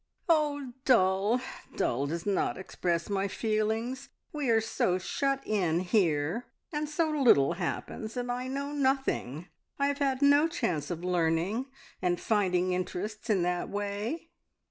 "Oh, dull! Dull does not express my feelings! We are so shut in here, and so little happens, and I know nothing. I have had no chance of learning and finding interests in that way."